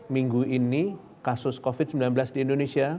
minggu ini kasus covid sembilan belas di indonesia